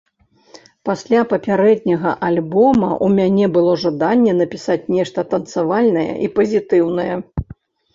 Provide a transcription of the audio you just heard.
Пасля папярэдняга альбома ў мяне было жаданне напісаць нешта танцавальнае і пазітыўнае.